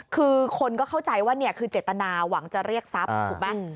คือคนก็เข้าใจว่านี่คือเจตนาหวังจะเรียกทรัพย์ถูกไหม